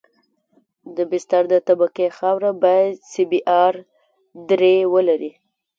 د بستر د طبقې خاوره باید سی بي ار درې ولري